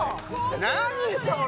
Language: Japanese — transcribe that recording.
何それ！？